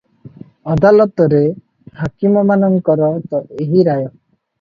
ଅଦାଲତରେ ହାକିମମାନଙ୍କର ତ ଏହି ରାୟ ।